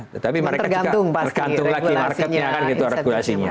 tetapi mereka juga tergantung lagi marketnya regulasinya